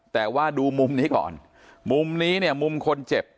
แต่ว่าดูมุมนี้ก่อนมุมนี้เนี่ยมุมคนเจ็บ